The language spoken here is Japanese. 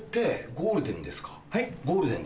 ゴールデン？